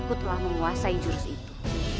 aku telah menguasai jurus itu